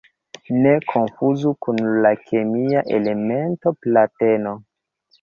Ne konfuzu kun la kemia elemento plateno.